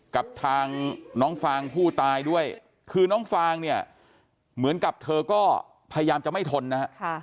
กับทางน้องฟางผู้ตายด้วยคือน้องฟางเนี่ยเหมือนกับเธอก็พยายามจะไม่ทนนะฮะ